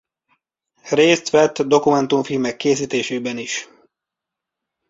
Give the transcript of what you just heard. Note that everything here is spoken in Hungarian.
Részt vett dokumentumfilmek készítésében is.